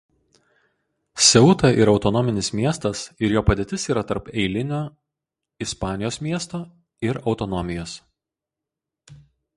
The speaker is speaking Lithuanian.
Seuta yra autonominis miestas ir jo padėtis yra tarp eilinio Ispanijos miesto ir autonomijos.